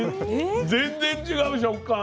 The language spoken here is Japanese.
全然違う食感。